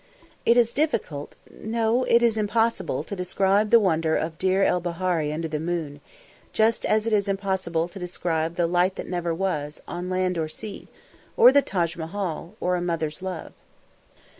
It is difficult no, it is impossible to describe the wonder of Deir el Bahari under the moon, just as it is impossible to describe "the light that never was, on land or sea," or the Taj Mahal, or a mother's love.